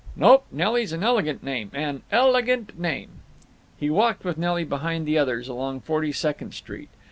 "Nope; Nelly's an elegant name—an elegant name." He walked with Nelly behind the others, along Forty second Street.